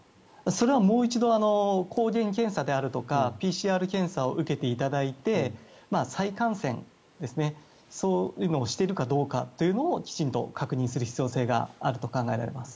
それはもう一度抗原検査とかであるとかＰＣＲ検査を受けていただいて再感染ですねそういうのをしているかどうかをきちんと確認する必要性があると思います。